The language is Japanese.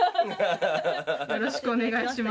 よろしくお願いします。